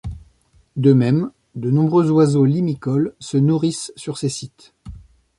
De même, de nombreux oiseaux limicoles se nourrissent sur ces sites.